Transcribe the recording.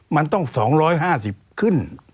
มันต้อง๒๕๐ขึ้น